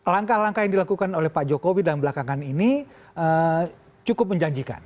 langkah langkah yang dilakukan oleh pak jokowi dalam belakangan ini cukup menjanjikan